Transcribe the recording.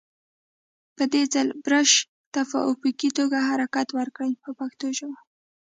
په دې ځل برش ته په افقي توګه حرکت ورکړئ په پښتو ژبه.